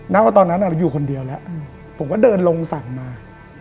ว่าตอนนั้นเราอยู่คนเดียวแล้วผมก็เดินลงสั่งมา